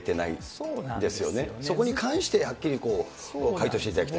そこに関してはっきり回答していただきたい。